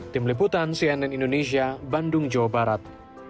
tim liputan cnn indonesia bandung jawa barat